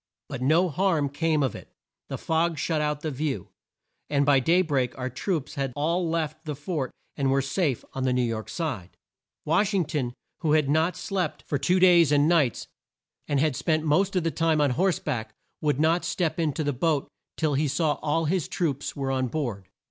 But no harm came of it, the fog shut out the view, and by day break our troops had all left the fort and were safe on the New York side. Wash ing ton, who had not slept for two days and nights, and had spent the most of the time on horse back, would not step in to the boat till he saw that all his troops were on board.